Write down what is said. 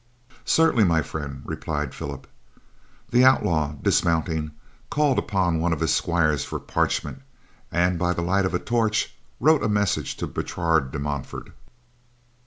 "Certainly, my friend," replied Philip. The outlaw, dismounting, called upon one of his squires for parchment, and, by the light of a torch, wrote a message to Bertrade de Montfort.